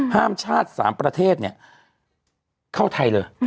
ห้ามชาติ๓ประเทศเข้าไทยเลย